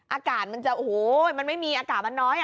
อากาศมันจะโอ้โหมันไม่มีอากาศมันน้อย